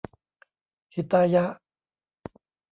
หิตายะ